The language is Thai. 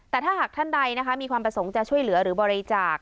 แต่ถ้าหากท่านใดมีความประสงค์จะช่วยเหลือหรือบริจาค